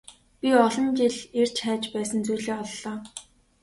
Би олон жил эрж хайж байсан зүйлээ оллоо.